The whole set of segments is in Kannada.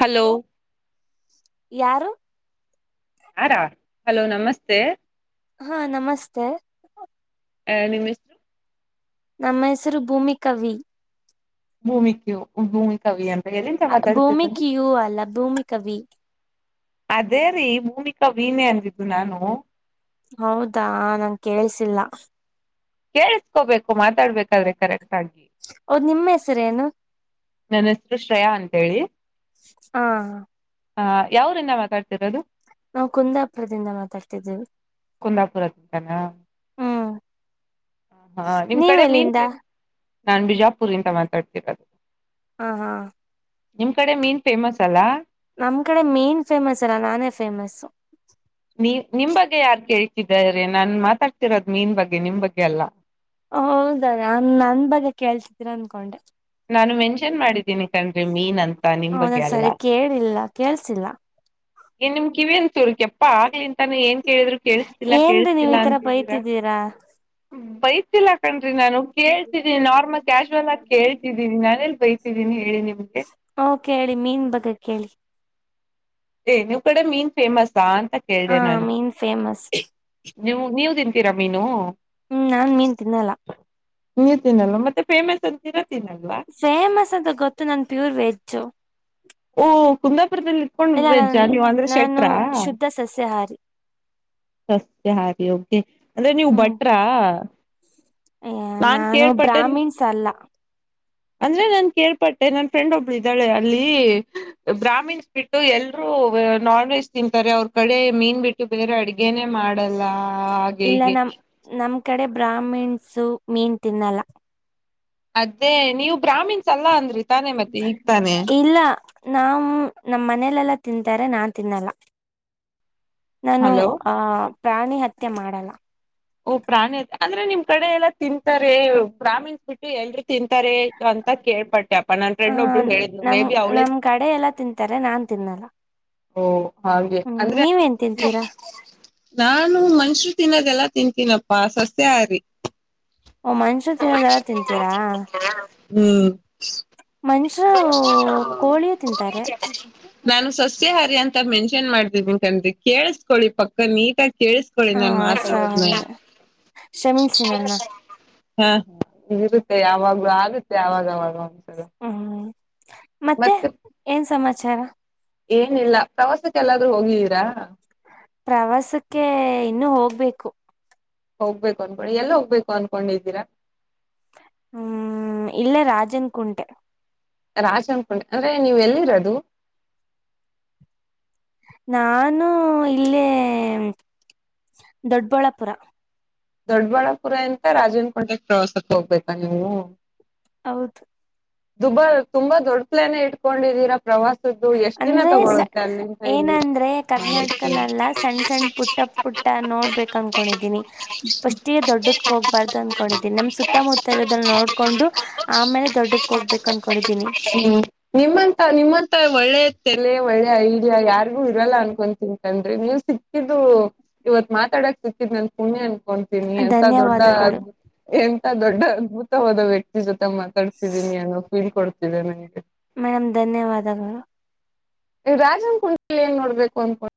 ಹಲೋ ಯಾರು ಯಾರಾ ಹಲೋ ನಮಸ್ತೆ ಹಾ ನಮಸ್ತೆ ಆ ನಿಮ್ಮ ಹೆಸರು ನಮ್ಮ ಹೆಸರು ಭೂಮಿಕ ವಿ ಭೂಮಿ ಭೂಮಿಕ ವಿ ಅಂತ ಎಲ್ಲಿಂದ ಭೂಮಿ ಮಾತಾಡ್ತಿರೋದು ಕ ಯೂ ಅಲ್ಲ ಭೂಮಿಕ ವಿ ಅದೇ ರೀ ಭೂಮಿಕಾ ವಿ ನೇ ಅಂದಿದ್ದು ನಾನು ಹೌದಾ ನನಗೆ ಕೇೇಳಸಿಲ್ಲ ಕೇಳಸ್ಕೋಬೇಕು ಮಾತಾಡ್ಬೇಕಾದ್ರೆ ಕರೆಕ್ಟ್ ಹಾಗಿ ಹೌದ್ ನಿಮ್ಮ ಹೆಸರೇನು ನನ್ನ ಹೆಸರು ಶ್ರೇಯ ಅಂತ ಹೇಳಿ ಹಾ ಹ ಯಾವ ಊರುರಿಂದ ಮಾತಾಡ್ತಿರೋದು ನಾವು ಕುಂದಾಪುರದಿಂದ ಮಾತಾಡ್ತಿದ್ದೇವಿ ಹ್ಮ್ ಹ ಹಾ ನಿಮ್ ನೀವ್ ಕಡೆ ಮೀನ್ ಎಲ್ಲಿಂದ ಫೇಮಸ್ ನಾನ್ ಬಿಜಾಪುರದಿಂದ ಮಾತಾಡ್ತಿರೋದು ಹ ಹಾ ನಿಮ್ ಕಡೆ ಮೀನ್ ಫೇಮಸ್ ಅಲ್ಲಾ ನಮ್ ಕಡೆ ಮೀನ್ ಫೇಮಸ್ ಅಲ್ಲ ನಾನೇ ಫೇಮಸ್ ನೀ ನಿಮ್ ಬಗ್ಗೆ ಯಾರ್ ಕೇಳ್ತಿದ್ದಾರೆ ನಾನ್ ಮಾತಾಡ್ತಿರೋದು ಮೀನ್ ಬಗ್ಗೆ ನಿಮ್ ಬಗ್ಗೆ ಅಲ್ಲ ಹೌದ ನನ್ ನನ್ ಬಗ್ಗೆ ಕೇಳ್ತಿದೀರ ಅನ್ಕೊಂಡೆ ನಾನು ಮೆನ್ಷನ್ ಮಾಡಿದ್ದೀನಿ ಕಣ್ರಿ ಮೀನ್ ಅಂತ ನಿಮ್ ಬಗ್ಗೆ ಹೌದನ್ ಅಲ್ಲ ಸರಿ ಕೇಳಿಲ್ಲ ಕೇಳ್ಸಿಲ್ಲ ನಿಮ್ಮ ಕಿವಿ ಏನ್ ಚೂರು ಕೆಪ್ಪ ಆವಾಗಳಿಂದ ತಾನ ಏನ್ ಕೇಳಿದ್ರು ಕೇಳಿಸ್ತಿಲ್ಲ ಏನ್ರೀ ನೀವ್ ಕೇಳ್ತಿಲ್ಲ ಈ ತರ ಅಂತಿದ್ದೀರ ಬೈತಿದ್ದೀರಾ ಬೈತಿಲ್ಲ ಕಣ್ರಿ ನಾನು ಕೇಳ್ತೀಿ ನಾರ್ಮಲ್ ಕ್ಯಾಶುವಲ್ ಆಗಿ ಕೇಳ್ತ ನಾನೇಲ್ ಬೈತಿದ್ದೀನಿ ಹೇಳಿ ನಿಮಗೆ ಿ ಮೀನ್ ಬಗ್ ಕೇಳಿ ಏ ನೀವು್ ಕಡೆ ಮೀನ್ ಫೇಮಸ್ ಸಾ ಅಂತ ಹ ಕೇಳ್ದ ನಾನು ಮೀನ್ [inaudible] ನೀವು ನೀವ್ ತಿಂತೀರಾ ಮೀನು ಹ್ಮ್ ನಾನ್ ಮೀನ್ ತಿನ್ನಲ್ಲ ನೀವು ತಿನಲ್ಲ ಮತ್ತೆ ಫೇಮಸ್ ಅಂತೀರ ಫೇಮಸ್ ಅಂತ ಗೊತ್ತು ನನ್ ಪ್ಯೂರ್ ವೆಜ್ಜು ಓ ಕುಂದಾಪುರದಲ್ಲಿ ಇಟ್ಕೊಂಡ್ ಇಲ್ಲ ವೆಜ್ಜ ನನ್ ನೀವ ಅಂದ್ರೆ ನಾನು ಶಟ್ರಾ ಶುದ್ಧ ಸಸ್ಯಾಹಾರಿ ಸಸ್ಯ ಹಾರಿ ಹೋಗೆ ಅಂದ್ರೆ ನೀವು ಹ್ಮ್ ಬಟ್ರಾ ನಾನ್ ನಾನು ಕೇಳ್ಪಟ್ಟೇ ಬ್ರಾಹ್ಮಿಣ್ಸ್ ಅಲ್ಲ ಅಂದ್ರೆ ನನ್ ಕೇಳ್ಪಟ್ಟೆ ನನ್ ಫ್ರೆಂಡ್ ಒಬ್ಳು ಇದ್ದಾಳೆ ಅಲ್ಲಿ ಬ್ರಹಾಮಿನ್ಸ್ ಬಿಟ್ಟು ಎಲ್ರೂ ನಾನ್ ವೆಜ್ ತಿಂತಾರೆ ಅವ್ರ ಕಡೆ ಮೀನ್ ಬಿಟ್ಟು ಬೇರೆ ಅಡ್ಗೆನೆೇ ಮಾಡಲ್ಲ ಹಾಗೆ ಇಲ್ಲ ಹೀಗೆ ನಮ ನಮ ಈ ಕಡೆ ಬ್ರಾಹ್ಮಿಣ್ಸು ಮೀನ್ ತಿನ್ನಲ್ಲ ಅದೇ ನೀವು ಗ್ರಾಮೀಣಸ್ ಅಲ್ಲ ಅನ್ರಿ ತಾನೆ ಮತ್ತೆ ಈಗ್ ತಾನೆ ನಾ್ ನಮ ಮನೇಲೆೆಲ್ಲಾ ತಿಂತಾರೆ ನಾನ್ ತಿನ್ನಲ್ಲ ನಾನು ಹಲೋ ಆ ಪ್ರಾಣಿ ಹತ್ಯೆ ಮಾಡಲ್ಲ ಓ ಪ್ರಾಣಿತೆ ಅಂದ್ರೆ ನಿಮ್ ಕಡೆ ಎಲ್ಲಾ ತಿಂತಾರೆ ಬ್ರಾಮೀಣಸ್ ಬಿಟ್ಟು ಎಲ್ರಿ ತಿಂತಾರೆ ಅಂತ ಕೇಳ್ಪಟ್ಟ ಆ ನ ್ರಂಡ್ ಒ ನಮ್ ಹೇಳಿದ್ ನಮ್ ಕಡೆ ಎಲ್ಲಾ ತಿಂತಾರೆ ನಾನ್ ತಿನ್ನಲ್ಲ ಅವ ಹಾಗೆ ಹ್ಮ್ ನೀವೇನ್ ತಿಂತೀರಾ ನು ಮರು ತಿನ್ನದೆಲ್ಲ ತಿಂತೀನಪ್ಪಾ ಸಸೆ ಆ್ರಿ ಓ ಮನುಷ್ಯ ತಿನ್ನೋದೆಲ್ಲ ತಿಂತೀರಾ ಹ್ಮ್ ಮನುಷ್ಯರು ಕೋಳಿಯೂ ತಿಂತಾರೆ ನಾನು ಸಸ್ಯಹಾರಿ ಅಂತ ಮೆನ್ಷನ್ ಮಾಡ್ತಿದ್ದಿ ಕಂಡಿಕ್ ಕೇಳಸ್ಕೊಳ್ಳಿ ಪಕ್ಕ ನೀಟ ತಿೇಳಿಸ್ಕೊಳ್ಳಿ ನಾನನ್ ಮಾತಾಡೋದು ಶಮಿಸಿ ನನ್ನ ಹಾ ಹಾರುತ್ತೆ ಯವಾಗ ಆುತ್ತೆ ಆವಾಗವಾಗ ಹ್ಮ ಮತ್ತೆ ಏನ್ ಸಮಾಚಾರ ಏನಿಲ್ಲ ಪ್ರವಾಸಕ್ಕೆ ಎಲ್ಲಾದ್ರೂ ಹೋಗಿದ್ದೀರಾ ಪ್ರವಾಸಕ್ಕೆ ಇನ್ನುೂ ಹೋಗ್ಬೇಕು ಹೋಗ್ಬೇಕು ಅನ್ಬೇಿ ಎಲ್ಲ ಹೋಗ್ಬೇಕು ಅನ್ಕೊಂಡಿದ್ದೀರಾ ಹ್ಮ್ ಇಲ್ಲ ರಾಜನ್ ಕುಂಟೆ ರಾಜ ಅನ್ಕೊಂಡೆ ಅಂದ್ರೆ ನೀವ ಎಲ್ಲಿರೋದು ನಾನು ಇಲ್ಲೇ ದೊಡ್ಡಬಳ್ಳಾಪುರ ದೊಡ್ಬಾಳ್ಳಾಪುರ ಎಂತ ರಾಜೇನ ಕೊಂಡೆ ಪ್ರವಾಸಕ್ಕೆ ಹೋಗ್ಬೇಕಾ ನೀವು ಹೌದು ದುಬಾ ತುಂಬಾ ದೊಡ್ ಪ್ಲಾನ ಇಟ್ಕೊಂಡಿದೀರಾ ಪ್ರವಾಸದ್ದು ಎಷ್ಟ್ ದಿನ ಅಂದ್ರೆ ಸ ತಗೊಳ್ಳುತ್ತೆ ಅಲ್ಲಿ ಇಲ್ಲಿ ಏನಂದ್ರೆ ಕರ್ನಾಟಕನಲ್ಲ ಸಣ್ಣ ಸಣ್ಣ ಪುಟ್ಟ ಫಸ್ಿಗೆ ದೊಡ್ಡದ ಹೋಗ್ಬಾರ್ದು ಅನ್ಕೊಂಡಿದ್ದೀನಿ ನಮ ಸುತ್ತಮುತ್ತ ಇೋದಲ್ಲಿ ನೋಡ್ಕೊಂಡು ಆಮೇಲೆ ದೊಡ್ಡಕ್ ಹೋಗ್ಬೇಕು ಅನ್ಕೊಂಡಿದ್ದೀನಿ ಹ್ಮ್ ನಿಮ್ಮಂತ ನಿಮ್ಮಂತ ಒಳ್ಳೆ ಲೆ ಒಳ್ಳೆ ಐಾ ಯಾರ ಇರಲ್ಲ ಅನ್ಕೊಂಡ ತಿಂತಂದ್ರೆ ನೀವ್ ಸಿಕ್ಕಿದಿದ್ದು ಇವತ್ ಮಾತಾಡಕ್ ಸಿಕ್ಕಿದ್ ಹನ ಕೊಂತೀನಿ ಎಂತ ದೊಡ್ಡ ಧನ್ಯವಾದಗಳು ಎ ದೊಡ್ಡ ಅದ್ಭುತವಾದ ವ್ಯಕ್ತಿ ಜೊತೆ ತಮ್ಮ ಕಟ್ಸತಿದೀನಿ ಅನ್ನೋೀಳ್ಕಡ್ ಇ ನ ಮೇಡಮ್ ಧನ್ಯವಾದಗಳು ರಾಜನ್ ಕುಂಡಲ್ಲಿ ಏನ್ ನೋಡ್ಬೇಕು ಅನ್ಕೊಂಡಿ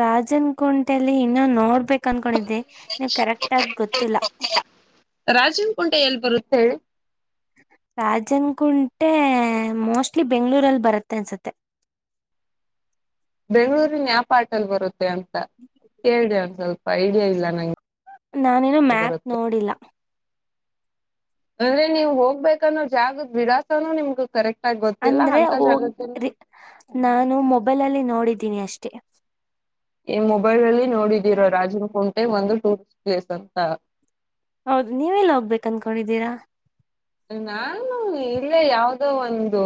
ರಾಜನ್ ಕುಂಟೆಲ್ಲಿ ಇನ್ನೊ ನೋಡ್ಬೇಕನ್ಕ ಕೊಂಡಿದ್ದೆ ನೀ ಕರೆಕ್ಟ್ ಆಗ ಗೊತ್ತಿಲ್ಲ ರಾಜೇನ್ ಕುಂಟೆ ಎಲ್ಲಿ ಬರುತ್ತೆ ಹೇಳಿ ರಾಜನ್ ಕುುಂಟೆ ಮೋಸ್ಟ್ಲಿ ಬೆಂಗ್ಳೂರಲ್ಲಿ ಬರುತ್ತೆ ಅನ್ಸತ್ತೆ ಬೆಂಗಳೂರಿನ್ ವಯಾಪಾಟಲ್ಲಿ ಬರುತ್ತೆ ಅಂತ ಕೇ್ರ ಒ ಸ್ವಲ್ಪ ಐಡಿಯಾ ಇಲ್ಲ ನಂಗೆ ನಾನೇನೋ ಮ್ಯಾತ್ ಬರುತ್ತೆ ನೋಡಿಲ್ಲ ಅಂದ್ರೆ ನೀವ್ ಹೋಗ್ಬೇಕನ್ನೋ ಜಾಗದ ವಿಳಾಸನುೂ ನಿಮ್ಗ ಕರೆಕ್ಟ್ ಆಗಿ ಗೊತ್ತಿಲ್ಲ ಅಂದ್ರೆ ಅಂತ ಹೋಗ ಜಾಗದಲ್ಲಿ ನಾನು ಮೊಬೈಲಲ್ಲಿ ನೋಡಿದ ತಿಿನಿ ಅಷ್ಟೆ ಈ ಮೊಬೈಲ್ ಅಲ್ಲಿ ನೋಡಿದೀರಾ ರಾಜನ್ ಕು ಒಂದು ಟೂರಿಸ್ಟ್ ಪ್ಲೇಸ್ ಅಂತ ಹೌದು ನೀವೆಲ್ಲ ಹೋಗ್ಬೇಕ ಅನ್ಕೊಂಡಿದ್ದೀರಾ ನಾನು ಇಲ್ಲೇ ಯಾವ್ದೋ ಒಂದು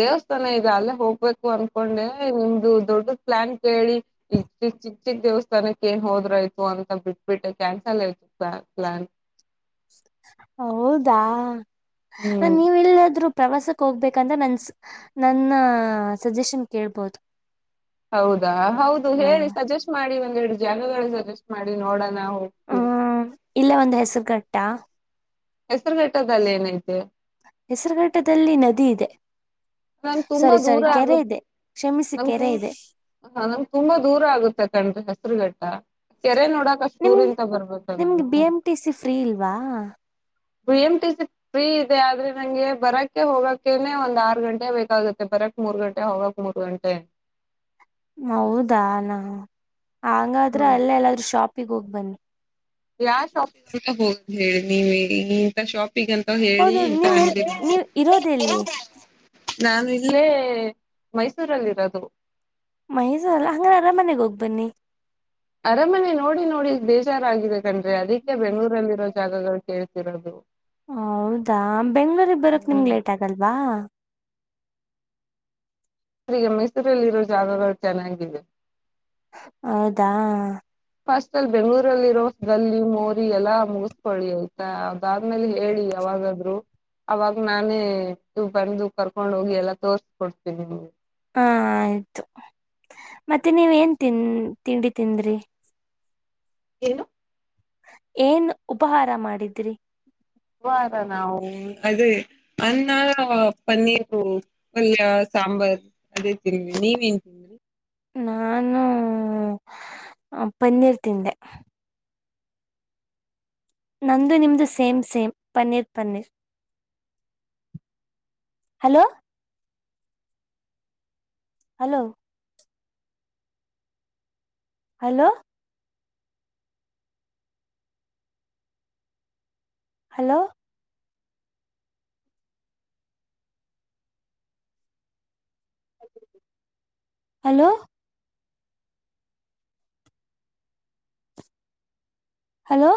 ದೇವಸ್ಥಾನ ಇದೆ ಅಲ್ಲೇ ಹೋಗ್ಬೇಕು ಅನ್ಕೊಂಡೆ ನಿಮ್ದು ದೊಡ್ಡದ ಪ್ಲಾನ್ ಕೇಳಿ ಚಿ ಚಿಕ್ ಚಿಕ್ ದೇವಸ್ಥಾನಕ್ಕೆ ಏನ್ ಹೋದ್ರಯ್ತು ಅಂತ ಬಿಟ್ಬಿಟ್ಟು ಕ್ಯಾನ್ಸಲ್ ಆಯ್ತು ಪ್ಲಾನ್ ಪ್ಲಾನ್ ಹೌದಾ ಹ ಹ್ಮ್ ನೀವುಲ್ಲಿಾದ್ರು ಪ್ರವಾಸಕ್ಕೆ ಹೋಗ್ಬೇಕಂತ ನನ್ ನನ್ನ ಸಜೆಷನ್ ಕೇಳ್ಬೋದು ಹೌದಾ ಹೌದು ಹ್ಮ್ ಹೇಳಿ ಸಜೆಸ್ಟ್ ಮಾಡಿ ಂದ ಎರಡು ಜಾಗ ಸಜೆಸ್ಟ್ ಮಾಡಿ ನೋಡ ಹ್ಮ ಇಲ್ಲ ಒಂದ್ ಹೆಸರುಗಟ್ಟ ಯಾ ಹೆಸರ ಟ್ಟದಲ್ಲ ಏನೈತಿ ಹೆಸರುಘಟ್ಟದಲ್ಲಿ ನದಿ ಇದೆ ನಮ್ ತುಂಬಾ ಸಾರಿ ದೂರ ಸಾರಿ ಕೆರೆ ಆಗುತ್ತೆ ಇದೆ ಕ್ಷಮಿಸಿ ನಮ್ ಕೆರೆ ಇದೆ ಹ ನಮ್ ತುಂಬಾ ದೂರ ಆಗುತ್ತೆ ಕಂಡ್ರೆ ಹೆಸರುಘಡ ಹಾ ಕೆರೆ ನೋಡಕ ಅಷ್ಟು ನೀವು ನಿಮ್ ದೂರದಿಂದ ಬರಬೇಕು ನಿಮ್ಗೆ ಬಿ ನಾನ್ನು ಎಂ ಟಿ ಸಿ ಫ್ರೀ ಇಲ್ವಾ B M T C free ಇದೆ ಆದ್ರೆ ನಂಗೆ ಬರಕ್ಕೆ ಹೋಗಕ್ಕೆ ಒಂದ್ ಆರ್ ಗಂಟೆ ಬೇಕಾಗುತ್ತೆ ಬರಕ್ ಮೂರ್ ಗಂಟೆ ಹೋಗಕ್ ಮೂರ್ ಗಂಟೆ ಮೌದಾ ನ ಹಂಗಾದ್ರ ಹ್ಮ್ ಅಲ್ಲೇ ಎಲ್ಲಾದ್ರೂ ಶಾಪ್ ಪ್ಪಿಗ ಹೋಗ್ ಬನ್ನಿ ಯಾ ಸ್ಯಾಪ್ವಿತ್ ಬೊಲ್ ಝಡ ನೀ ಮೇ ನೀಂತ ಶಾಪ್ ಪ್ಪ ಈಗಂತ ಹೇಳಿ ಹೌದು ಇಂತ ನೀವ್ ಎಲ್ ನೀವ್ ಇರೋದೆಲ್ಲಿ ನಾನ ಇಲ್ಲೇ ಮೈಸೂರಲ್ಲಿ ಇರೋದು ಮೈಸೂ ಅಲ್ಲ ಹಂಗ ಅರಾಮನೆಗ ಹೋಗ್ ಬನ್ನಿ ಅರಾಮನೆ ನೋಡಿ ನೋಡಿ ದೇೇಶ ಾರ ಆಗಿದೆ ನ್ಿ ಅದಕ್ಕೆ ಬೆಂಗಳೂರಲ್ಲಿ ಇರೋ ಜಾಗಗಳು ಕೇಳ್ತಿರೋದು ಹೌದಾ ಬೆಂಗ್ಗಳೂರಿಗೆ ಬರಕ್ ನಿಮ್ಗೆ ಹ್ಮ್ ಲೇಟ್ ಆಗಲ್ವಾ ಈಗ ಮೈಸೂರಿಲ್ಲಿ ಇರೋ ಜಾಗಗಳು ಚೆನ್ನಾಗಿದೆ ಹೌದಾ ಫಸ್ಟ್ ಅಲ್ಲಿ ಬೆಂಗಗಳೂರಲ್ಲಿ ಇರೋ ಗಲ್ಲಿ ಮೋರಿ ಎಲ್ಲಾ ಮುಗಸ್ಕೊಳ್ಳಿ ಆಯ್ತಾ ಅದಾದ್ಮೇಲೆ ಹೇಳಿ ಯಾವಾಗಾದ್ರು ಅವಾಗ ನಾನೇ ಇ ಬಂದು ಕರ್ಕೊಂಡ್ ಹೋಗಿ ಎಲ್ಲಾ ತೋರ್ಸ್ಕೊಡ್ತೀನಿ ನಿಮಗೆ ಹಾ ಆಯ್ತು ಮತ್ತೆ ನೀವ ಏನ್ ತಿನ್ ತಿಂಡಿ ತಿಂದ್ರಿ ಏನು ಏನ್ ಉಪಹಾರ ಮಾಡಿದ್ರಿ ವಾರ ನಾ ಅದೇ ಅಾರ ಪನ್ನೀರು ಪಲ್ಯ ಸಾಂಬಾರ್ ಅದೇ ತಿನ್ಿ ನೀವೇನ್ ತಿನ್ಿ ನಾನು ಪನ್ನೀರ್ ತಿಂದೆ ನಮ್ದ ನಿಮ್ದು same same paneer paneer [inaudible] hello hello hello hello hello hello